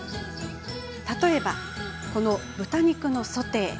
例えば、こちらの豚肉のソテー。